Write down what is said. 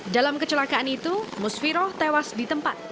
dalam kecelakaan itu musfiroh tewas di tempat